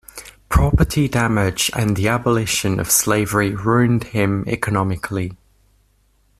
Property damage and the abolition of slavery ruined him economically.